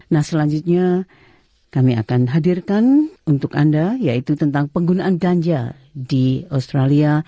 nah selanjutnya kami akan hadirkan untuk anda yaitu tentang penggunaan ganja di australia